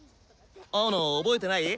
青野覚えてない？